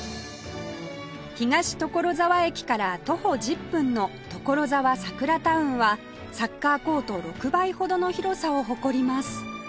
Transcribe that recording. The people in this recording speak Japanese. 東所沢駅から徒歩１０分のところざわサクラタウンはサッカーコート６倍ほどの広さを誇ります